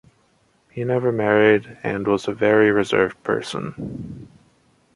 He never married and was a very reserved person.